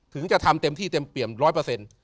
ถึงจะทำเต็มที่เต็มเปี่ยมร้อยเปอร์เซ็นต์